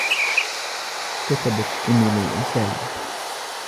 كتبت ايميلي رسالة.